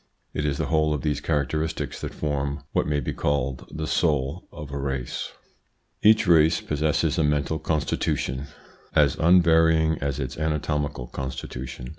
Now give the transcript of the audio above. It is the whole of these characteristics that form what may be called the soul of a race. Each race possesses a mental constitution as un 6 THE PSYCHOLOGY OF PEOPLES: varying as its anatomical constitution.